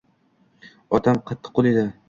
Otam qattiqqo`l edi